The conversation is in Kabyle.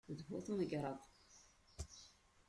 D bu tmegṛaḍ.